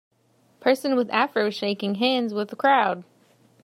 Person with afro shaking hands with crowd.